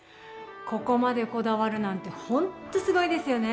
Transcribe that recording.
ここまでこだわるなんてほんとすごいですよね。